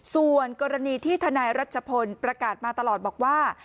ส่วนกรณีที่ทนายรัชพลประกาศมาตลอดบอกว่า